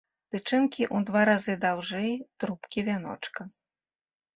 Тычынкі ў два разы даўжэй трубкі вяночка.